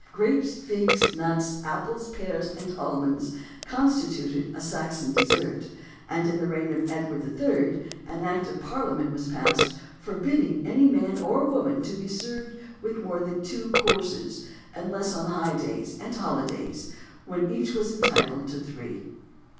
Grapes, figs, nuts, apples, pears, and almonds, constituted a Saxon dessert; and in the reign of Edward III. an Act of Parliament was passed, forbidding any man or woman to be served with more than two courses, unless on high days and holidays, when each was entitled to three.